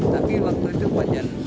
tapi waktu itu panjang